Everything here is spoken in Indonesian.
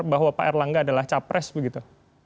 bahwa pak erlangga adalah capres begitu